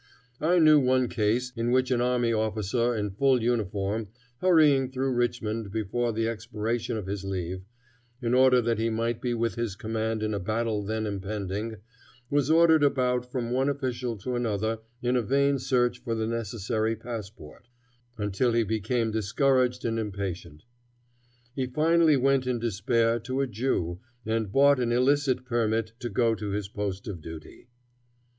I knew one case in which an army officer in full uniform, hurrying through Richmond before the expiration of his leave, in order that he might be with his command in a battle then impending, was ordered about from one official to another in a vain search for the necessary passport, until he became discouraged and impatient. He finally went in despair to a Jew, and bought an illicit permit to go to his post of duty.